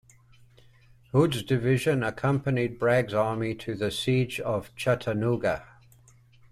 Hood's division accompanied Bragg's army to the siege of Chattanooga.